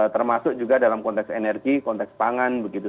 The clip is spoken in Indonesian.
termasuk juga dalam konteks energi konteks pangan begitu